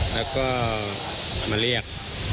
แล้วก็มาเรียก